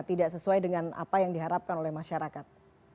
tidak sesuai dengan apa yang diharapkan oleh masyarakat